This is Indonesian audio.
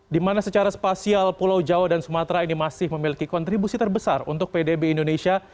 dimana secara spasial pulau jawa dan sumatera ini masih memiliki kontribusi terbesar untuk pdb indonesia